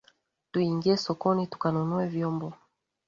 Tuingie sokoni tukanunue vyombo